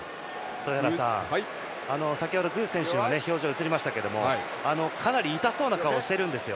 具選手の表情が映りましたけどかなり痛そうな顔をしてるんですよ。